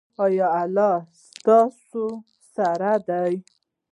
ایا الله ستاسو سره دی؟